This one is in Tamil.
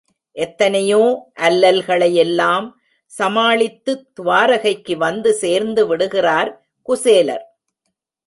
எத்தனையோ அல்லல்களையெல்லாம் சமாளித்துத் துவாரகைக்கு வந்து சேர்ந்து விடுகிறர் குசேலர்.